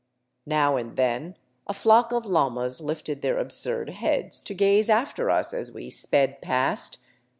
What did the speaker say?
Now and then a flock of llamas lifted their absurd heads to gaze after us as we sped past.